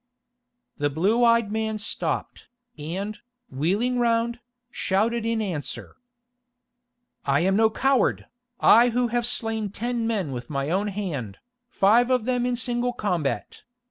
The blue eyed man stopped, and, wheeling round, shouted in answer: "I am no coward, I who have slain ten men with my own hand, five of them in single combat.